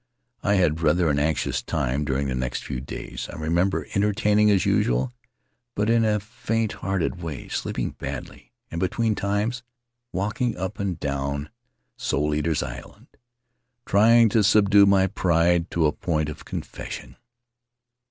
I had rather an anxious time during the next few days. I remember entertaining as usual, but in a faint hearted way; sleeping badly, and between times, walking up and down Soul Eaters' Island, trying to subdue my Costly Hospitality pride to the point of confession.